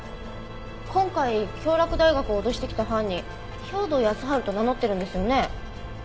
今回京洛大学を脅してきた犯人兵働耕春と名乗ってるんですよね？